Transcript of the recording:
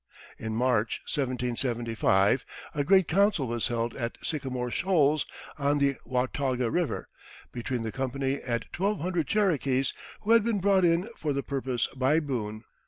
In March, 1775, a great council was held at Sycamore Shoals, on the Watauga River, between the company and twelve hundred Cherokees who had been brought in for the purpose by Boone.